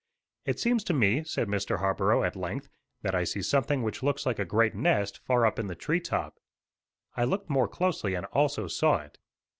"It seems to me," said Mr. Harborough at length, "that I see something which looks like a great nest, far up in the tree top." I looked more closely and also saw it.